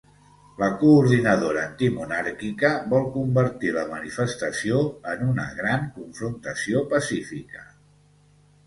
La Coordinadora Antimonàrquica vol convertir la manifestació en una "gran confrontació pacífica"